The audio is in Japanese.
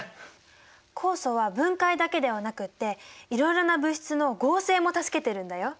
酵素は分解だけではなくていろいろな物質の合成も助けてるんだよ。